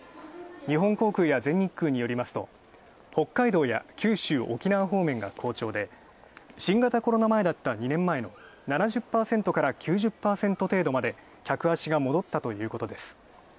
日本航空や全日空によると北海道や九州、沖縄方面が好調で新型コロナ前だった２年前の７０％から９０％程度まで客足が戻ったということです。